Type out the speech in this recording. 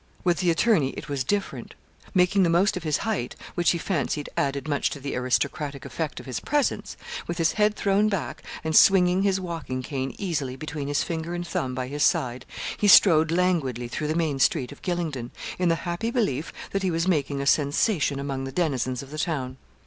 With the attorney it was different. Making the most of his height, which he fancied added much to the aristocratic effect of his presence, with his head thrown back, and swinging his walking cane easily between his finger and thumb by his side, he strode languidly through the main street of Gylingden, in the happy belief that he was making a sensation among the denizens of the town.